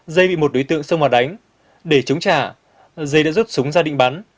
dây bị một đối tượng sông mò đánh để chống trả dây đã rút súng ra định bắn